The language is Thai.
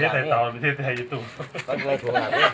เธอทยายิดู